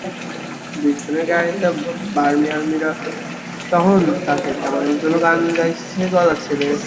ব্রিসবেনের গ্যালারিতে বার্মি-আর্মিরা তখন তাঁকে খেপানোর জন্য গান গাইছে গলা ছেড়ে।